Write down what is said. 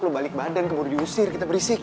lu balik badan kemudian diusir kita berisik